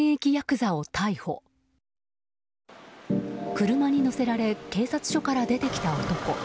車に乗せられ警察署から出てきた男。